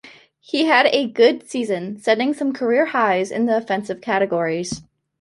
He had a good season, setting some career highs in the offensive categories.